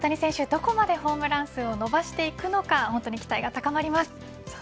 どこまでホームラン数を伸ばせるか本当に期待が高まります。